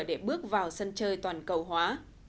để bước vào sân chơi toàn cầu hóa